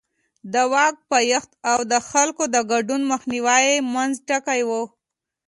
د واک پایښت او د خلکو د ګډون مخنیوی یې منځ ټکی و.